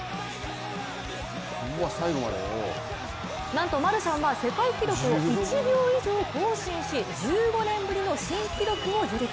なんとマルシャンは世界記録を１秒以上更新し１５年ぶりの新記録を樹立。